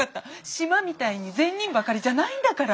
島みたいに善人ばかりじゃないんだから。